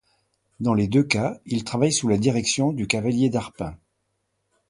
Dans les deux cas, il travaille sous la direction du Cavalier d'Arpin.